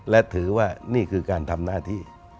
และถือว่านี่คือการทำหน้าที่